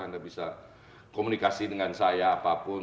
anda bisa komunikasi dengan saya apapun